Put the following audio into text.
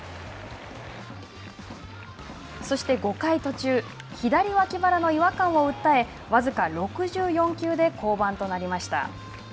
そして、５回途中、左脇腹の違和感を訴え僅か６４球で降板となりました。